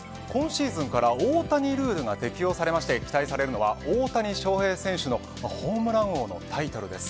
今シーズンから大谷ルールが適用されて期待されるのは大谷翔平選手のホームラン王のタイトルです。